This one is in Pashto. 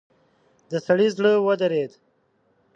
د سړي زړه ودرېد.